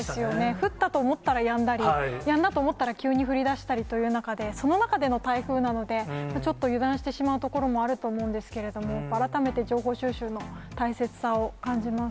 降ったと思ったらやんだり、やんだと思ったら急に降りだしたりという中で、その中での台風なので、ちょっと油断してしまうところもあると思うんですけれども、改めて情報収集の大切さを感じます。